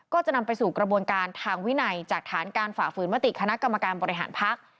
ก็จะนำไปสู่กระบวนการทางวินัยจากฐานการฝ่าฝืนมติคณะกรรมการบริหารพัก